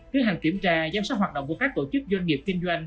kế hoạch kiểm tra giám sát hoạt động của các tổ chức doanh nghiệp kinh doanh